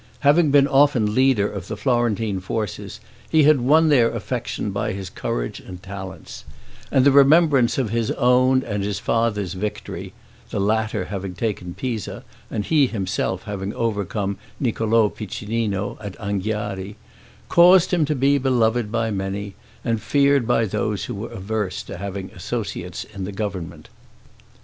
Having been often leader of the Florentine forces he had won their affection by his courage and talents; and the remembrance of his own and his father's victories (the latter having taken Pisa, and he himself having overcome Niccolo Piccinino at Anghiari) caused him to be beloved by many, and feared by those who were averse to having associates in the government.